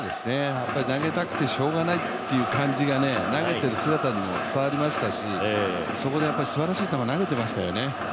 投げたくてしょうがないっていう感じが投げてる姿からも伝わりましたしすばらしい球投げてましたよね。